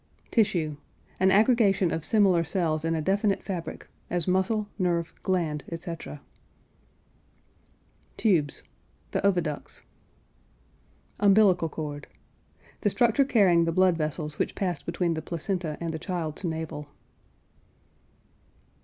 TISSUE. An aggregation of similar cells in a definite fabric, as muscle, nerve, gland, etc. TUBES. The oviducts. UMBILICAL CORD. The structure carrying the blood vessels which pass between the placenta and the child's navel.